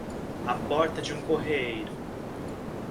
à porta de um correeiro